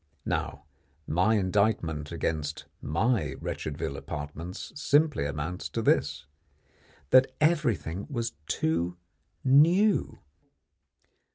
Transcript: Now my indictment against my Wretchedville apartments simply amounts to this: that everything was too new.